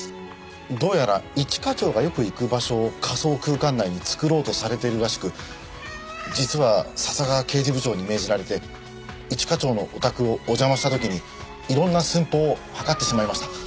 どうやら一課長がよく行く場所を仮想空間内に作ろうとされているらしく実は笹川刑事部長に命じられて一課長のお宅をお邪魔した時にいろんな寸法を測ってしまいました。